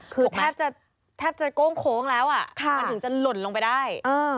คือแทบจะก้มโค้งแล้วถึงจะหล่นลงไปได้